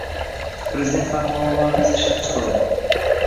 Prezident farmoni loyihasi ishlab chiqildi.